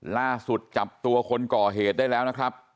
ล่าสุดจับตัวคนก่อเหตุได้แล้วนะครับ